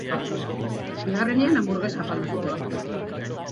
Bigarrenean hanburgesa afaldu zuten.